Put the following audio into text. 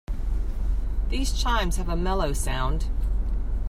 These chimes have a mellow sound.